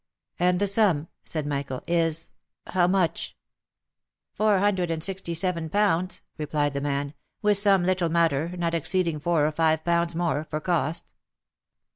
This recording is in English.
" And the sum," said Michael, " is — how much ?"" Four hundred and sixty seven pounds," replied the man, " with some little matter, not exceeding four or five pounds more, for costs."